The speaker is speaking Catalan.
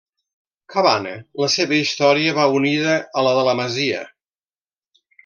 Cabana: la seva història va unida a la de la masia.